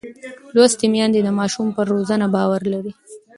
لوستې میندې د ماشوم پر روزنه باور لري.